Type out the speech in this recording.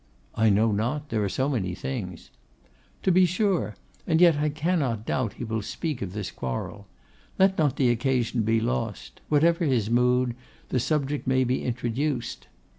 'I know not: there are so many things.' 'To be sure; and yet I cannot doubt he will speak of this quarrel. Let not the occasion be lost. Whatever his mood, the subject may be introduced.